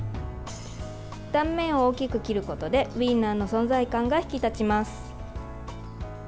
断面を大きく切ることでウインナーの存在感が引き立ちます。